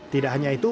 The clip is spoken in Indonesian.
tidak hanya itu